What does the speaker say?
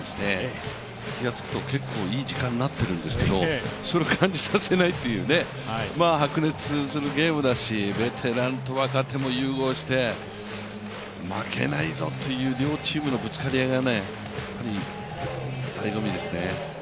気が付くと結構いい時間になってるんですけどそれを感じさせないという白熱するゲームだし、ベテランと若手が融合して負けないぞという両チームのぶつかり合いがだいご味ですね。